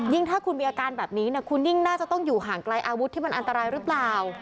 ถ้าคุณมีอาการแบบนี้คุณยิ่งน่าจะต้องอยู่ห่างไกลอาวุธที่มันอันตรายหรือเปล่า